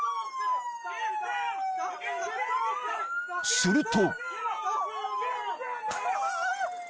［すると］